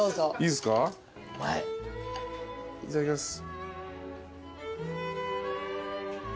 いただきます。